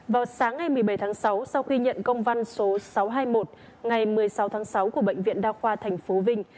vào sáng ngày một mươi bảy tháng sáu sau khi nhận công văn số sáu trăm hai mươi một ngày một mươi sáu tháng sáu của bệnh viện đa khoa tp vinh